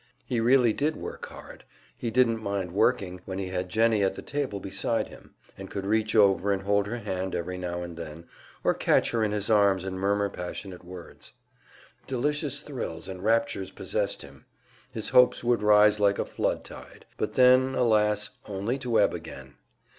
He really did work hard; he didn't mind working, when he had Jennie at the table beside him, and could reach over and hold her hand every now and then, or catch her in his arms and murmur passionate words. Delicious thrills and raptures possessed him; his hopes would rise like a flood tide but then, alas, only to ebb again!